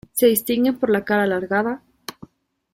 Se distinguen por la cara alargada.